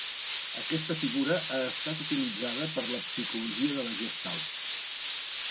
Aquesta figura ha estat utilitzada per la Psicologia de la Gestalt.